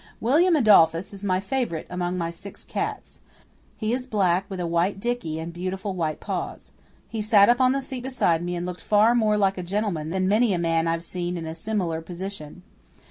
William Adolphus is my favourite among my six cats. He is black, with a white dicky and beautiful white paws. He sat up on the seat beside me and looked far more like a gentleman than many a man I've seen in a similar position.